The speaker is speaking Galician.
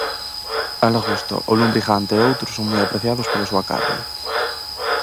A lagosta, o lumbrigante e outros son moi apreciados pola súa carne.